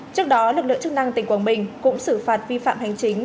trước đó lực lượng chức năng tỉnh quảng bình cũng xử phạt vi phạm hành chính